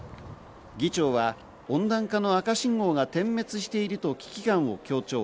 議長は温暖化の赤信号が点滅していると危機感を強調。